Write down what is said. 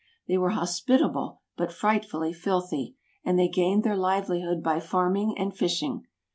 They were hospitable, but frightfully filthy, and they gained their livelihood by farming and fishing.